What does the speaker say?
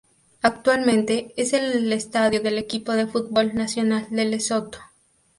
Actualmente, es el estadio del equipo de fútbol nacional de Lesoto.